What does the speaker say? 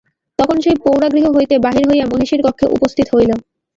তখন সেই প্রৌঢ়া গৃহ হইতে বাহির হইয়া মহিষীর কক্ষে উপস্থিত হইল।